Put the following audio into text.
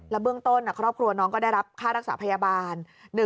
และเบื้องต้นน้องรอบครัวได้รับค่ารักษาพยาบาล